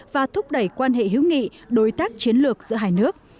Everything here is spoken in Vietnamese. và thúc đẩy quan hệ hữu nghị đối tác chiến lược giữa hai nước